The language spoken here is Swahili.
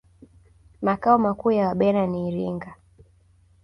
makao makuu ya Wabena ni iringa